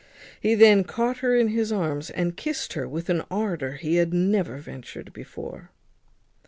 He then caught her in his arms, and kissed her with an ardour he had never ventured before.